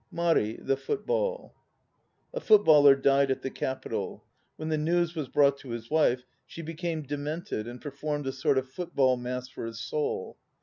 MARI (THE FOOTBALL) A FOOTBALLER died at the Capital. When the news was brought to his wife, she became demented and performed a sort of football mass for his soul.